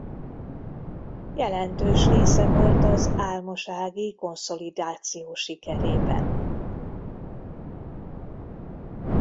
Jelentős része volt az Álmos-ági konszolidáció sikerében.